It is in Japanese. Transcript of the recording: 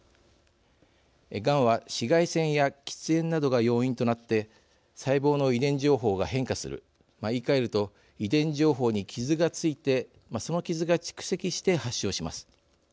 がんは紫外線や喫煙などが要因となって細胞の遺伝情報が変化する言いかえると遺伝情報にキズが付いてそのキズが蓄積して発症します。